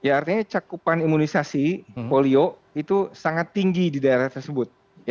artinya cakupan imunisasi polio itu sangat tinggi di daerah tersebut